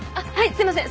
すいません。